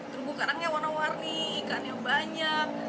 terumbu karangnya warna warni ikannya banyak